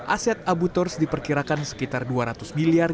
aset abu tors diperkirakan sekitar dua ratus miliar